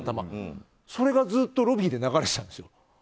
それがずっとロビーで流れてたんですよ。